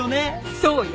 そうよ。